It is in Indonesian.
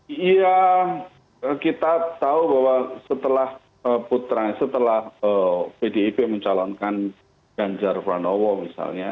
iya kita tahu bahwa setelah pdip mencalonkan ganjar pranowo misalnya